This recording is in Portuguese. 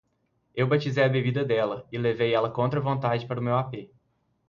Eu batizei a bebida dela e levei ela contra a vontade para meu apê